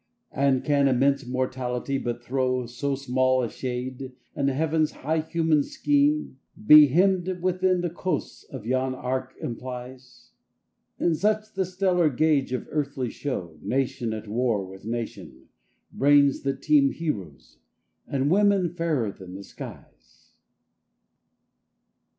And can immense Mortality but throw So small a shade, and Heaven's high human scheme Be hemmed within the coasts yon arc implies? Is such the stellar gauge of earthly show, Nation at war with nation, brains that teem, Heroes, and women fairer than the skies?